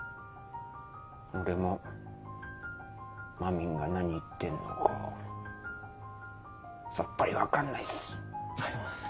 俺もまみんが何言ってんのかさっぱり分かんないっす。